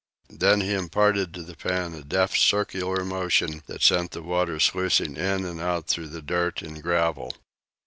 Then he imparted to the pan a deft circular motion that sent the water sluicing in and out through the dirt and gravel.